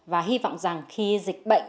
và hy vọng rằng khi dịch bệnh